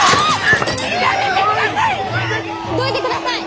どいてください！